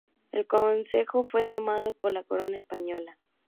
El consejo fue tomado por la Corona española.